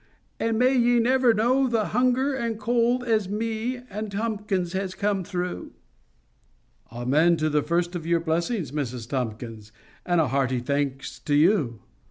And may ye never know the hunger and cold as me and Tomkins has come through." "Amen to the first of your blessing, Mrs Tomkins, and hearty thanks to you.